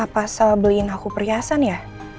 apa sal beliin aku perhiasan ya